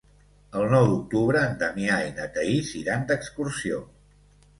El nou d'octubre en Damià i na Thaís iran d'excursió.